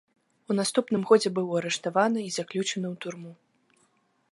У наступным годзе быў арыштаваны і заключаны ў турму.